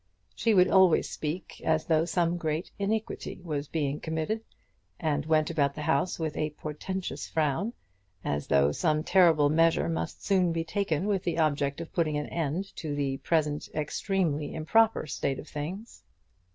She would always speak as though some great iniquity was being committed, and went about the house with a portentous frown, as though some terrible measure must soon be taken with the object of putting an end to the present extremely improper state of things.